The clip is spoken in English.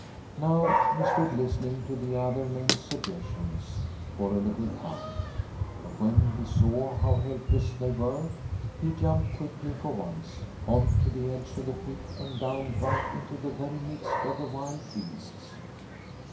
Now he stood listening to the other men's suggestions for a little time, but when he saw how helpless they were, he jumped, quickly for once, on to the edge of the pit and down right into the very midst of the wild beasts.